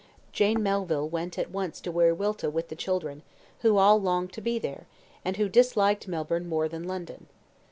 Jane Melville went at once to Wiriwilta with the children, who all longed to be there, and who disliked Melbourne more than London.